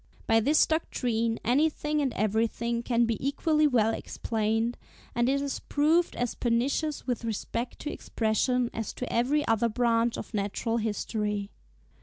By this doctrine, anything and everything can be equally well explained; and it has proved as pernicious with respect to Expression as to every other branch of natural history.